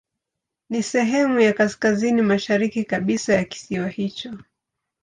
Ni sehemu ya kaskazini mashariki kabisa ya kisiwa hicho.